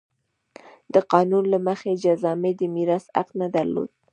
د قانون له مخې جذامي د میراث حق نه درلود.